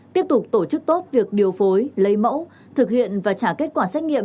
tiếp tục tổ chức tốt việc điều phối lấy mẫu thực hiện và trả kết quả xét nghiệm